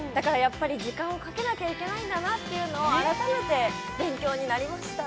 時間をかけないといけないんだなというのを改めて、勉強になりました。